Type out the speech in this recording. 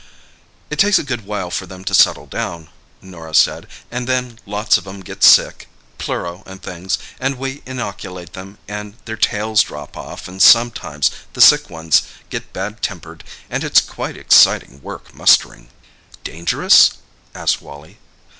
"It takes a good while for them to settle down," Norah said, "and then lots of 'em get sick—pleuro and things; and we inoculate them, and their tails drop off, and sometimes the sick ones get bad tempered, and it's quite exciting work mustering." "Dangerous?" asked Wally.